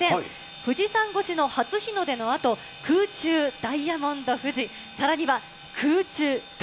富士山越しの初日の出のあと、空中ダイヤモンド富士、さらには空中影